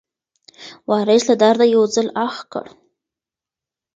وارث له درده یو ځل اخ کړ.